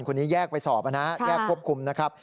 คนนี้แยกไปสอบนะฮะแยกควบคุมนะครับ